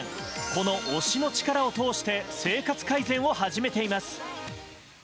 この推しの力をとおして生活改善を始めています。